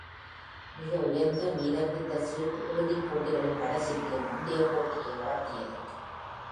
மிக உயர்ந்த மீதமிருந்த சீட் இறுதி போட்டிகளின் கடைசிக்கு முந்தைய போட்டியை நடத்தியது.